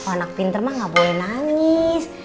anak pinter ma enggak boleh nangis